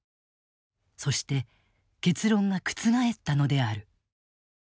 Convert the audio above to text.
そして結論が覆ったのである。